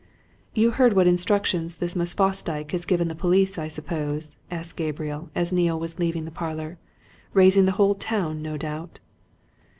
"You heard what instructions this Miss Fosdyke had given the police, I suppose?" asked Gabriel, as Neale was leaving the parlour. "Raising the whole town, no doubt?"